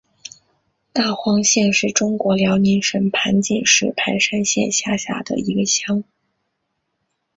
大荒乡是中国辽宁省盘锦市盘山县下辖的一个乡。